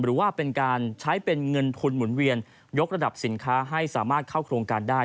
หรือว่าเป็นการใช้เป็นเงินทุนหมุนเวียนยกระดับสินค้าให้สามารถเข้าโครงการได้